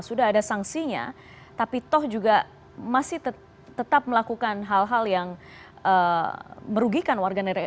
sudah ada sanksinya tapi toh juga masih tetap melakukan hal hal yang merugikan warga negara indonesia